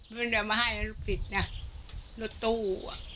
ไม่ได้มาให้ลูกศิษย์นะลูกตู้